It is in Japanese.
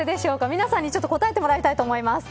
皆さんに答えてもらいたいと思います。